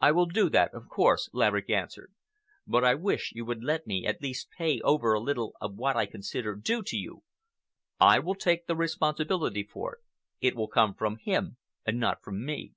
"I will do that, of course," Laverick answered, "but I wish you would let me at least pay over a little of what I consider due to you. I will take the responsibility for it. It will come from him and not from me."